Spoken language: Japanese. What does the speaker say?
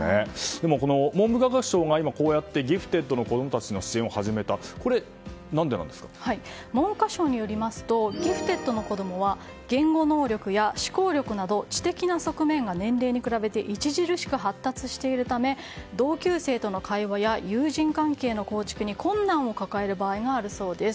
でも、文部科学省がギフテッドの子供たちの文科省によりますとギフテッドの子供は言語能力や思考力など知的な側面が年齢に比べて著しく発達しているため同級生との会話や友人関係の構築に困難を抱える場合があるそうです。